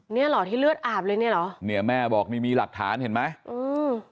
เนี้ยเหรอที่เลือดอาบเลยเนี้ยเหรอเนี้ยแม่บอกนี่มีหลักฐานเห็นไหมอืม